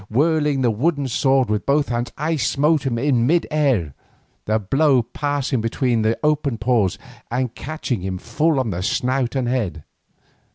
Whirling the wooden sword with both hands I smote him in mid air, the blow passing between his open paws and catching him full on the snout and head.